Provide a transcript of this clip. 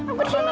aku di sini